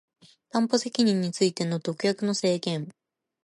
担保責任についての特約の制限